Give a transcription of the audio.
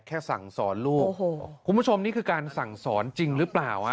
สั่งสอนลูกโอ้โหคุณผู้ชมนี่คือการสั่งสอนจริงหรือเปล่าฮะ